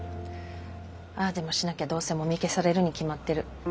ああでもしなきゃどうせもみ消されるに決まってる。